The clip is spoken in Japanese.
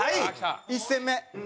１戦目。